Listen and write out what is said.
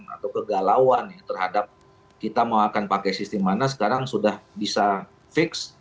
atau kegalauan ya terhadap kita mau akan pakai sistem mana sekarang sudah bisa fix